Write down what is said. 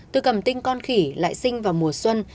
tôi cầm tinh con khỉ lại sinh vào mùa xuân